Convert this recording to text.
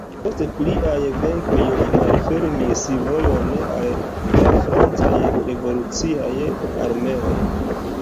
Post pliaj venkoj li malfermis vojon al la francaj revoluciaj armeoj.